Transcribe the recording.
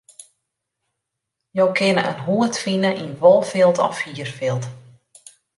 Jo kinne in hoed fine yn wolfilt of hierfilt.